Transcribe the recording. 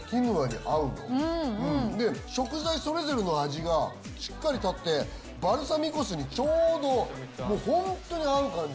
うんうんで食材それぞれの味がしっかりたってバルサミコ酢にちょうどもうホントに合う感じ